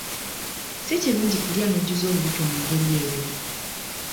Si kirungi kulya n'ojjuza olubuto mu ngeri eyo.